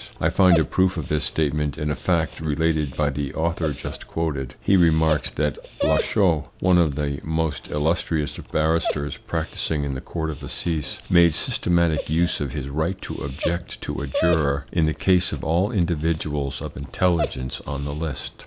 I find a proof of this statement in a fact related by the author just quoted. He remarks that Lachaud, one of the most illustrious barristers practising in the Court of Assize, made systematic use of his right to object to a juror in the case of all individuals of intelligence on the list.